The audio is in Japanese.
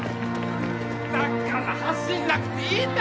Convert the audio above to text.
だから走んなくていいんだよ！